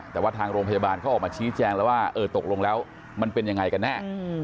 แต่ว่าทางโรงพยาบาลเขาออกมาชี้แจงแล้วว่าเออตกลงแล้วมันเป็นยังไงกันแน่